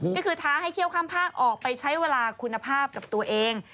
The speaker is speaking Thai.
ก็คือท้าให้เที่ยวข้ามภาคออกไปใช้เวลาคุณภาพกับตัวเอง